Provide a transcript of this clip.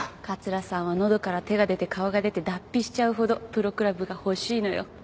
桂さんは喉から手が出て顔が出て脱皮しちゃうほどプロクラブが欲しいのよ。